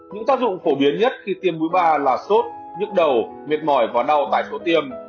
những tác dụng phổ biến nhất khi tiêm mũi ba là sốt nhức đầu miệt mỏi và đau tại số tiêm